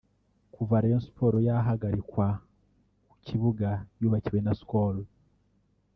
Kuva Rayon Sports yahagarikwa ku kibuga yubakiwe na Skol